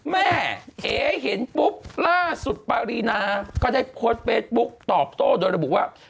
แม่เอ๋เห็นปุ๊บล่าสุดปารีนาก็ได้โพสต์เฟซบุ๊กตอบโต้โดยระบุว่า